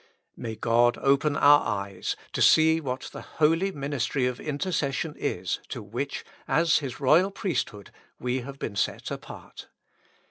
May God open our eyes to see what the holy min istry of intercession is to which, as His royal priest hood, we have been set apart.